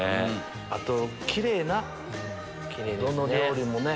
あとキレイなどの料理もね。